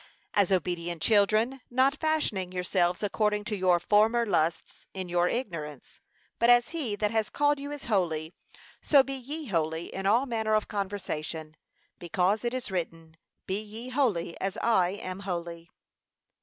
As obedient children, not fashioning yourselves according to your former lusts in your ignorance; but as he that has called you is holy, so be ye holy in all manner of conversation: because it is written, 'Be ye holy, as I am holy.'